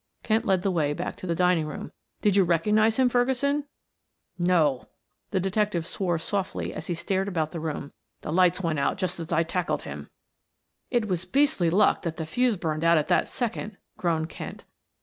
Kent led the way back to the dining room. "Did you recognize the man, Ferguson?" "No." The detective swore softly as he stared about the room. "The lights went out just as I tackled him." "It was beastly luck that the fuse burned out at that second," groaned Kent.